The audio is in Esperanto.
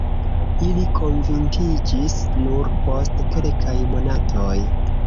Ili konvinkiĝis nur post kelkaj monatoj.